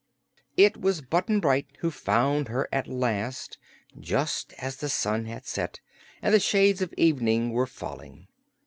It was Button Bright who found her, at last, just as the sun had set and the shades of evening were falling.